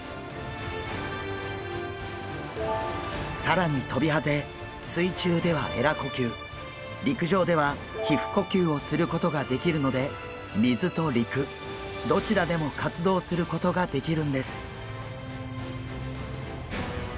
更にトビハゼ水中ではえら呼吸陸上では皮ふ呼吸をすることができるので水と陸どちらでも活動することができるんです。